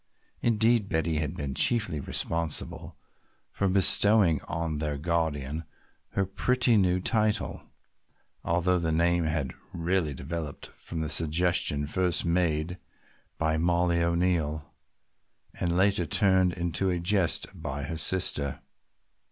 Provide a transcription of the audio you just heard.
Indeed Betty had been chiefly responsible for bestowing on their guardian her pretty new title, although the name had really developed from the suggestion first made by Mollie O'Neill and later turned into a jest by her sister.